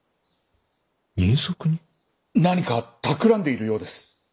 何かたくらんでいるようです。